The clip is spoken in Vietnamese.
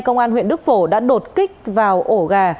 công an huyện đức phổ đã đột kích vào ổ gà